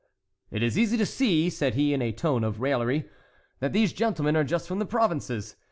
"It is easy to see," said he, in a tone of raillery, "that these gentlemen are just from the provinces.